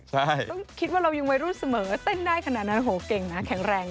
ใช่ต้องคิดว่าเรายังวัยรุ่นเสมอเต้นได้ขนาดนั้นโหเก่งนะแข็งแรง